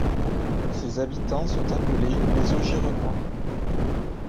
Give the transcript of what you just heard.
Ses habitants sont appelés les Augirenois.